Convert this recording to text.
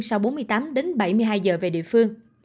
sau bốn mươi tám đến bảy mươi hai giờ về địa phương